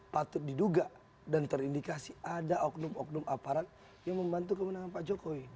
patut diduga dan terindikasi ada oknum oknum aparat yang membantu kemenangan pak jokowi